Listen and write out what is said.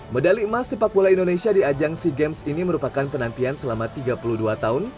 medali emas sepak bola indonesia di ajang sea games ini merupakan penantian selama tiga puluh dua tahun